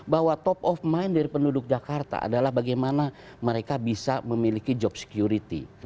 bahwa top of mind dari penduduk jakarta adalah bagaimana mereka bisa memiliki job security